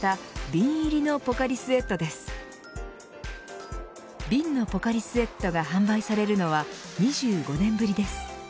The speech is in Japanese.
瓶のポカリスエットが販売されるのは２５年ぶりです。